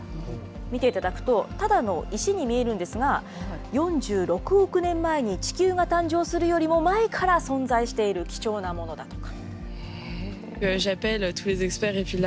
見ていただくと、ただの石に見えるんですが、４６億年前に地球が誕生するよりも前から存在している貴重なものだとか。